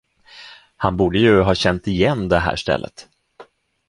Han borde ju ha känt igen det här stället.